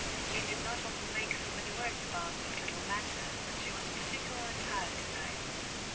Jane did not often make so many words about this little matter, but she was particularly tired to night.